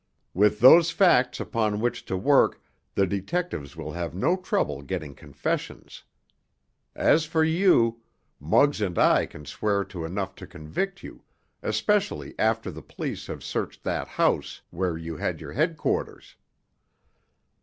With those facts upon which to work the detectives will have no trouble getting confessions. As for you—Muggs and I can swear to enough to convict you, especially after the police have searched that house where you had your headquarters."